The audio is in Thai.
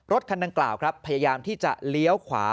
คันดังกล่าวครับพยายามที่จะเลี้ยวขวา